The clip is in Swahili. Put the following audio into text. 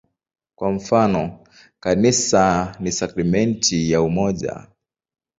Kwa mfano, "Kanisa ni sakramenti ya umoja".